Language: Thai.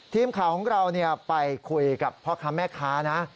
ทีมข่าวของเราเนี่ยไปคุยกับพ่อกามแม่ค้านะค่ะ